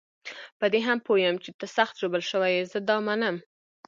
په دې هم پوه یم چې ته سخت ژوبل شوی یې، زه دا منم.